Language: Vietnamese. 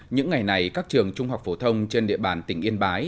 những ngày này các trường trung học phổ thông trên địa bàn tỉnh yên bái